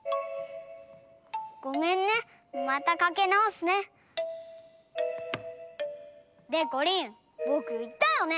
ごめんねまたかけなおすね。でこりんぼくいったよね？